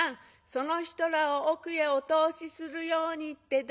その人らを奥へお通しするようにって旦那さんが」。